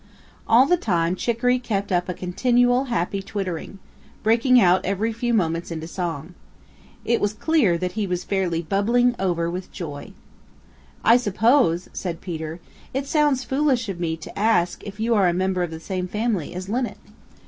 All the time Chicoree kept up a continual happy twittering, breaking out every few moments into song. It was clear that he was fairly bubbling over with joy. "I suppose," said Peter, "it sounds foolish of me to ask if you are a member of the same family as Linnet."